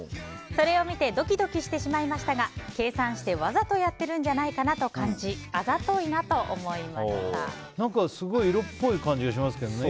それを見てドキドキしてしまいましたが計算してわざとやってるんじゃないかなと色っぽい感じがしますけどね。